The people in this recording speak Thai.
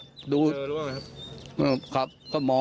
เจอหรือเปล่าครับ